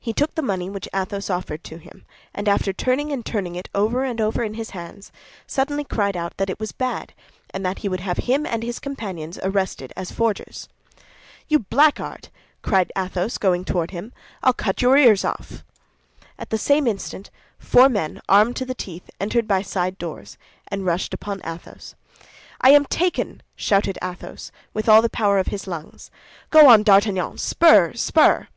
He took the money which Athos offered to him, and after turning and turning it over and over in his hands, suddenly cried out that it was bad, and that he would have him and his companions arrested as forgers. "You blackguard!" cried Athos, going toward him, "I'll cut your ears off!" At the same instant, four men, armed to the teeth, entered by side doors, and rushed upon Athos. "I am taken!" shouted Athos, with all the power of his lungs. "Go on, D'Artagnan! Spur, spur!"